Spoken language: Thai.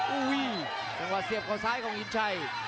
อุ้ยยจังนะว่าเสียบข้าวซ้ายของอินชัย